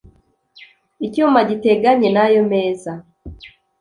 icyuma gitegane n ayo meza